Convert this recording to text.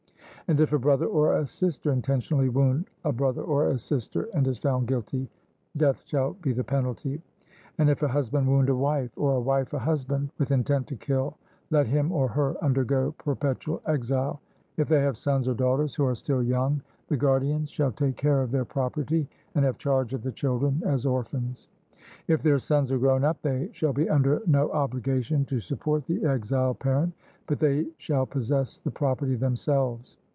And if a brother or a sister intentionally wound a brother or a sister, and is found guilty, death shall be the penalty. And if a husband wound a wife, or a wife a husband, with intent to kill, let him or her undergo perpetual exile; if they have sons or daughters who are still young, the guardians shall take care of their property, and have charge of the children as orphans. If their sons are grown up, they shall be under no obligation to support the exiled parent, but they shall possess the property themselves.